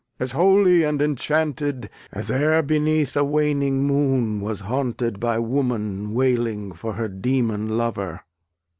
as holy and enchanted As e'er beneath a waning moon was haunted By woman wailing for her demon lover!